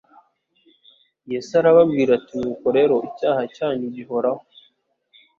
Yesu arababwira ati : "Nuko rero icyaha cyanyu gihoraho".